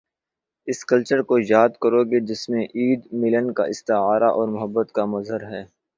اس culture کو یاد کروں گا جس میں عید، ملن کا استعارہ اور محبت کا مظہر ہے۔